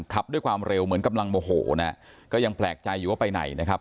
ขับด้วยความเร็วเหมือนกำลังโมโหนะก็ยังแปลกใจอยู่ว่าไปไหนนะครับ